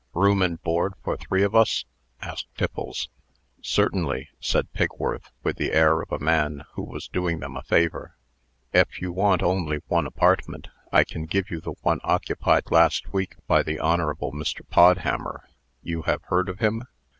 "Room and board for three of us?" asked Tiffles. "Certainly," said Pigworth, with the air of a man who was doing them a favor. "Ef you want only one apartment, I can give you the one occupied last week by the Hon. Mr. Podhammer. You have heard of him?"